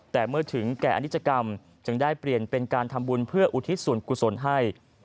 แต่เมื่อถึงแก่อนิจกรรมจึงได้เปลี่ยนเป็นการทำบุญเพื่ออุทิศส่วนกุศลให้